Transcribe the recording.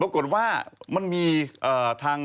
ปรากฏว่ามันมีทาง